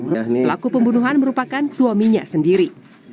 pelaku pembunuhan merupakan suaminya sendiri